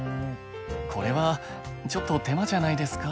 これはちょっと手間じゃないですか？